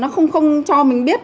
nó không cho mình biết